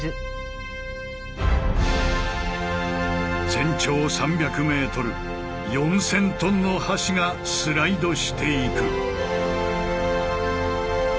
全長３００ｍ４，０００ｔの橋がスライドしていく。